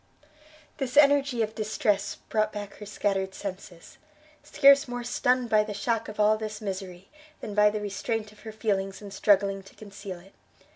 This energy of distress brought back her scattered senses, scarce more stunned by the shock of all this misery, than by the restraint of her feelings in struggling to conceal it.